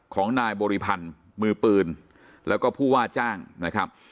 ของนายบริพันธ์มือปืนแล้วก็ผู้ว่าจ้างนะครับ